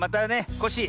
コッシー